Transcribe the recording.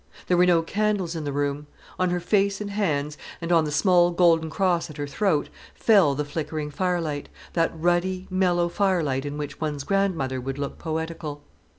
There were no candles in the room. On her face and hands, and on the small golden cross at her throat, fell the flickering firelight that ruddy, mellow firelight in which one's grandmother would look poetical.